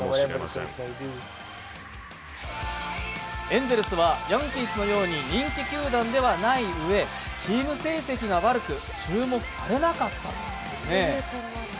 エンゼルスはヤンキースのように人気球団ではないうえ、チーム成績が悪く注目されなかったというんですね。